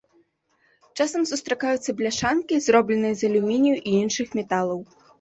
Часам сустракаюцца бляшанкі, зробленыя з алюмінію і іншых металаў.